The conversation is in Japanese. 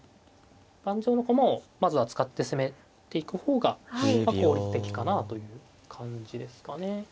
盤上の駒をまずは使って攻めていく方が効率的かなあという感じですかね。